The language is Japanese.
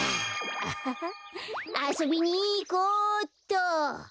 アハハあそびにいこうっと。